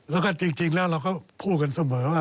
แล้วก็จริงแล้วเราก็พูดกันเสมอว่า